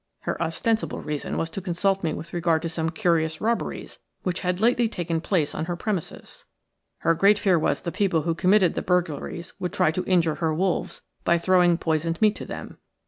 Her ostensible reason was to consult me with regard to some curious robberies which had lately taken place on her premises. Her great fear was that the people who committed the burglaries would try to injure her wolves by throwing poisoned meat to them.